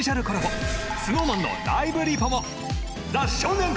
ＳｎｏｗＭａｎのライブリポも！